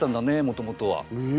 もともとは。え。